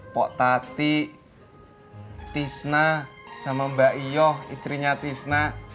pak tati tisna sama mbak iyoh istrinya tisna